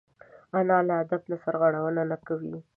انا له ادب نه سرغړونه نه کوي